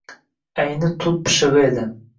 Ayni tut pishig‘i edi.